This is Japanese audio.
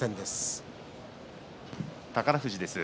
宝富士です。